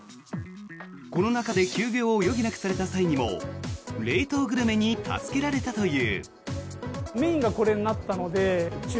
コロナ禍で休業を余儀なくされた際にも冷凍グルメに助けられたという。